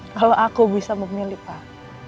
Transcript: kalau aku bisa memilih pak